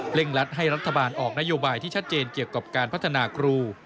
ลัดให้รัฐบาลออกนโยบายที่ชัดเจนเกี่ยวกับการพัฒนาครู